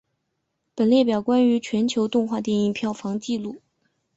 本列表关于全球动画电影票房纪录。